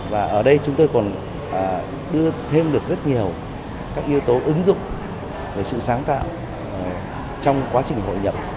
và ở đây chúng tôi còn đưa thêm được rất nhiều các yếu tố ứng dụng về sự sáng tạo trong quá trình hội nhập